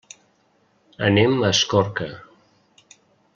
Anem a Escorca.